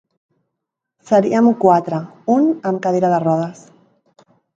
Seríem quatre, un amb cadira de rodes.